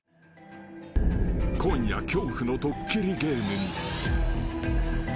［今夜恐怖のドッキリゲームに］